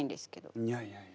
いやいやいや。